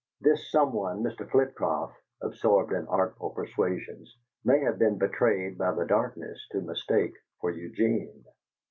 This some one Mr. Flitcroft, absorbed in artful persuasions, may have been betrayed by the darkness to mistake for Eugene.